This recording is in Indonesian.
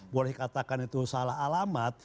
boleh dikatakan itu salah alamat